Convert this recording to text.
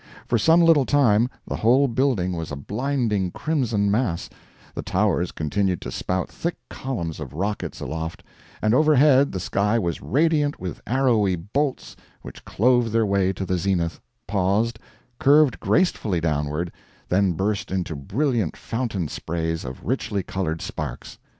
For some little time the whole building was a blinding crimson mass, the towers continued to spout thick columns of rockets aloft, and overhead the sky was radiant with arrowy bolts which clove their way to the zenith, paused, curved gracefully downward, then burst into brilliant fountain sprays of richly colored sparks.